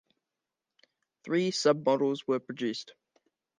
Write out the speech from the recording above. Three submodels were produced.